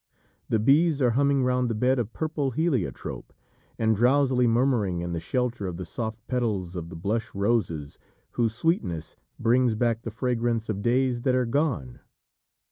The bees are humming round the bed of purple heliotrope, and drowsily murmuring in the shelter of the soft petals of the blush roses whose sweetness brings back the fragrance of days that are gone.